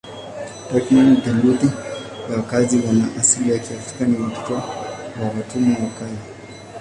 Takriban theluthi ya wakazi wana asili ya Kiafrika ni watoto wa watumwa wa kale.